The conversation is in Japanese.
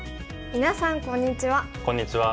みなさんこんにちは。